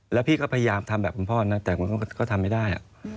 แล้วพี่ก็พยายามทำแบบคุณพ่อนะแต่ก็ทำไม่ได้